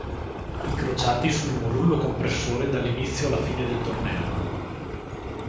I crociati sono un rullo compressore dall'inizio alla fine del torneo.